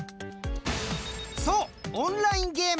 そうオンラインゲーム！